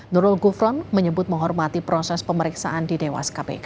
nurul gufron menyebut menghormati proses pemeriksaan di dewas kpk